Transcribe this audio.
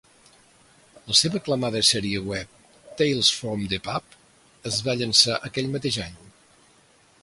La seva aclamada sèrie web "Tales From the Pub" es va llançar aquell mateix any.